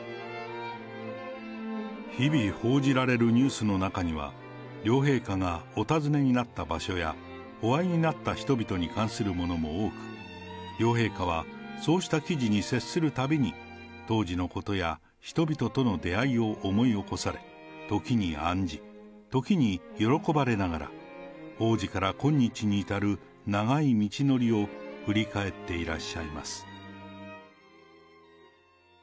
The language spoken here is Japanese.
日々、報じられるニュースの中には、両陛下がお訪ねになった場所や、お会いになった人々に関するものも多く、両陛下は、そうした記事に接するたびに、当時のことや、人々との出会いを思い起こされ、時に案じ、時に喜ばれながら、往時から今日に至る長い道のりを振り返っていらっしゃいます。